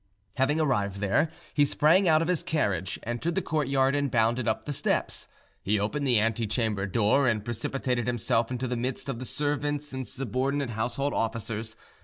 Having arrived there, he sprang out of his carriage, entered the courtyard, and bounded up the steps. He opened the ante chamber door, and precipitated himself into the midst of the servants and subordinate household officers.